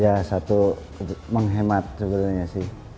ya satu menghemat sebenarnya sih